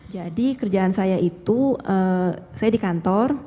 jadi kerjaan saya itu saya di kantor